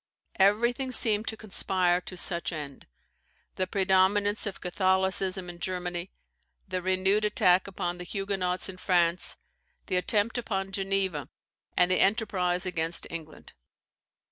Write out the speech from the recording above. Everything seemed to conspire to such end; the predominance of Catholicism in Germany, the renewed attack upon the Huguenots in France, the attempt upon Geneva, and the enterprise against England.